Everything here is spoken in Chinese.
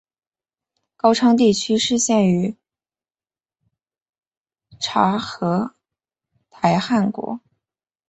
高昌地区失陷于察合台汗国。